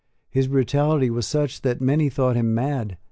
His brutality was such that many thought him mad.